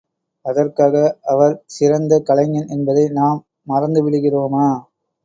அதற்காக அவர் சிறந்த கலைஞன் என்பதை நாம் மறந்து விடுகிறோமா?